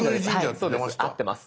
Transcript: はいそうです。合ってます。